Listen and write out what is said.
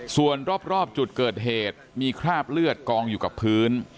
ส่วนรอบจุดเกิดเหตุมีคราบเลือดกองอยู่กับพื้น